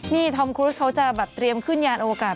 นี่ทอมครุสเขาจะแบบเตรียมขึ้นยานอวกาศ